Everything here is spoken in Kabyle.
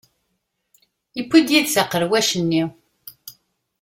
Yewwi-d yid-s aqerwac-nni.